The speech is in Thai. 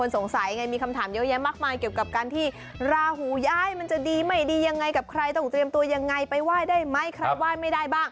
สวัสดีค่ะเป็นประจำทุกวันสุดจะได้เจอกับหมอไกวันนี้พิเศษหน่อย